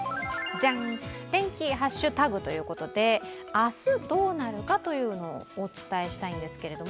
天気ハッシュタグということで明日どうなるかというのをお伝えしたいんですけど。